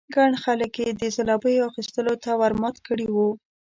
ګڼ خلک یې د ځلوبیو اخيستلو ته ور مات کړي وو.